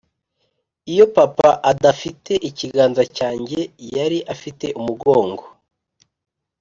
“iyo papa adafite ikiganza cyanjye, yari afite umugongo.”